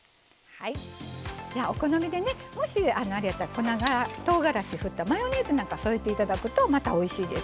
お好みでねもしあれやったら粉とうがらし振ったマヨネーズを添えていただくとまたおいしいです。